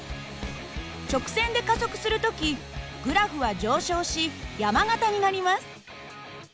直線で加速する時グラフは上昇し山形になります。